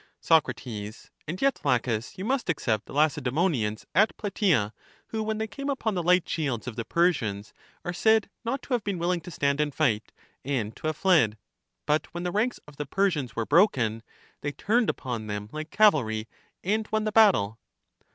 Soc. And yet. Laches, you must except the Lace daemonians at Plataea, who, when they came upon the light shields of the Persians, are said not to have been willing to stand and fight, and to have fled; but when the ranks of the Persians were broken, they turned upon them like cavalry, and won the battle.